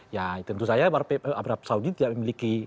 ya tentu saja arab saudi tidak memiliki